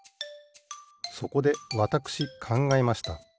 そこでわたくしかんがえました。